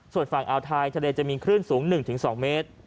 ส่วนฝั่งอ่าวไทยทะเลจะมีคลื่นสูง๑๒เมตร